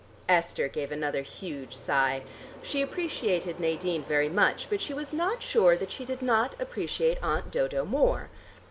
Esther gave another huge sigh. She appreciated Nadine very much, but she was not sure that she did not appreciate Aunt Dodo more.